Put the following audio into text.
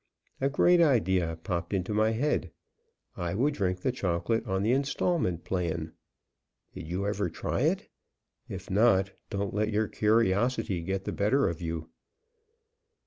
A great idea popped into my head. I would drink chocolate on the instalment plan. Did you ever try it? If not, don't let your curiosity get the better of you.